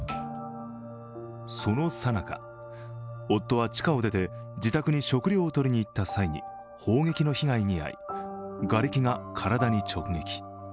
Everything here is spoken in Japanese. そのさなか夫は地下を出て自宅に食料を取りに行った際に砲撃の被害に遭い、がれきが体に直撃。